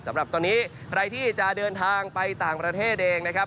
สำหรับตอนนี้ใครที่จะเดินทางไปต่างประเทศเองนะครับ